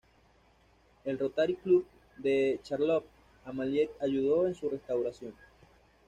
El Rotary Club de Charlotte Amalie ayudó en su restauración.